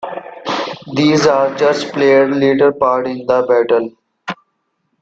These archers played little part in the battle.